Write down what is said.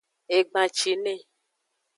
Egbancine.